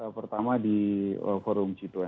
pertama di forum g dua puluh